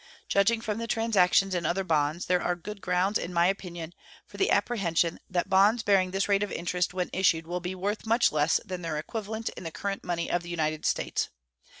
Judging from the transactions in other bonds, there are good grounds, in my opinion, for the apprehension that bonds bearing this rate of interest when issued will be worth much less than their equivalent in the current money of the United States.